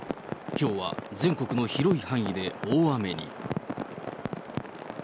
きょうは全国の広い範囲で大雨に。